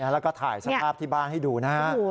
แล้วก็ถ่ายสภาพที่บ้านให้ดูนะฮะ